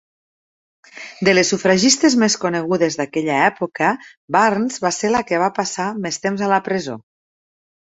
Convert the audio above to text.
De les sufragistes més conegudes d'aquella època, Burns va ser la que va passar més temps a la presó.